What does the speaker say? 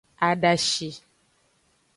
Adashi.